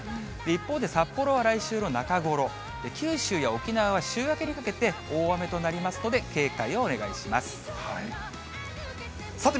一方で札幌は来週の中頃、九州や沖縄は週明けにかけて大雨となりますので、警戒をお願いしさて